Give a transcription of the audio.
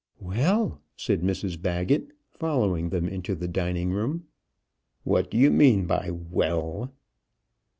"Well!" said Mrs Baggett, following them into the dining room. "What do you mean by 'well'?"